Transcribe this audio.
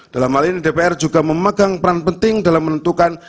dalam hal ini dpr juga memegang peran penting dalam menentukan